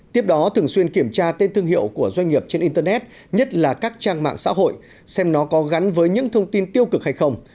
tiếp đó thường xuyên kiểm tra tên thương hiệu của doanh nghiệp trên internet nhất là các trang mạng xã hội xem nó có gắn với những thông tin tiêu cực hay không